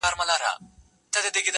o ستا له تصويره سره.